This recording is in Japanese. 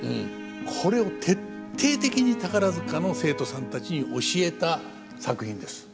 これを徹底的に宝塚の生徒さんたちに教えた作品です。